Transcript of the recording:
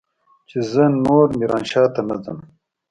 چې زه نور ميرانشاه ته نه ځم.